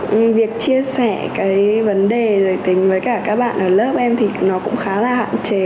nhưng việc chia sẻ cái vấn đề giới tính với cả các bạn ở lớp em thì nó cũng khá là hạn chế